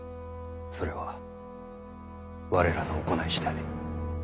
それは我らの行い次第。